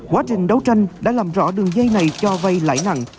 quá trình đấu tranh đã làm rõ đường dây này cho vay lãi nặng